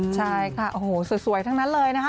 ใช่ค่ะโอ้โหสวยทั้งนั้นเลยนะคะ